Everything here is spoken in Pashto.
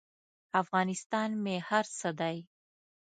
افغانستان مې هر څه دی.